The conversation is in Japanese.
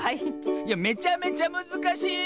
いやめちゃめちゃむずかしい！